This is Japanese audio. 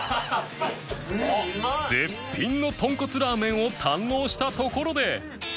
絶品のとんこつラーメンを堪能したところで